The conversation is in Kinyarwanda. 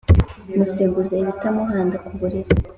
museguze ibita muhanda ku buriri